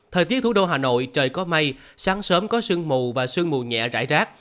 thời tiết thủ đô hà nội trời có mây sáng sớm có sương mù và sương mù nhẹ rải rác